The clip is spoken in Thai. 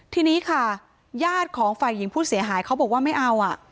ทีนี้ค่ะญาติของฝ่ายหญิงผู้เสียหายเขาบอกว่าไม่เอา